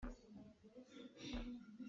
Ka duh bikmi zawng cu a sen a si .